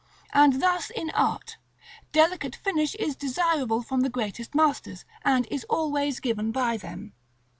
And thus in art, delicate finish is desirable from the greatest masters, and is always given by them.